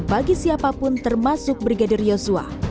bagi siapapun termasuk brigadir yosua